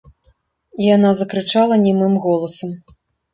Яна закрычала немым голасам.